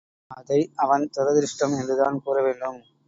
அதை அவன் துரதிர்ஷ்டம் என்றுதான் கூற வேண்டும்!